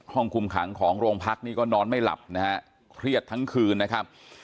ห้องคุมขังของโรงพักนี่ก็นอนไม่หลับนะฮะเครียดทั้งคืนนะครับ